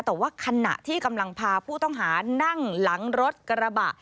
แต่ว่าขณะที่กำลังพาผู้ต้องหานั่งหลังรถกระบะ